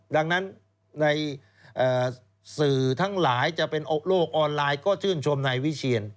ดังนั้นในสื่อทั้งหลายจะเป็นโลกออนไลน์ก็ชื่นชมนายวิเชียน